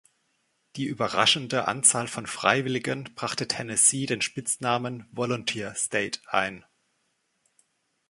Die überraschende Anzahl von Freiwilligen brachte Tennessee den Spitznamen „Volunteer State“ ein.